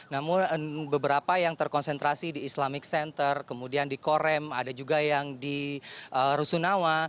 namun beberapa yang terkonsentrasi di islamic center kemudian di korem ada juga yang di rusunawa